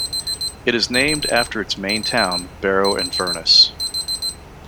It is named after its main town, Barrow-in-Furness.